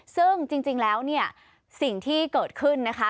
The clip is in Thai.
ซึ่งจริงแล้วเนี่ยสิ่งที่เกิดขึ้นนะคะ